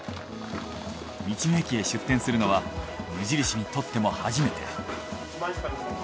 道の駅へ出店するのは無印にとっても初めて。